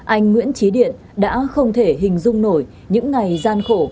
anh nguyễn trí điện đã không thể hình dung nổi những ngày gian khổ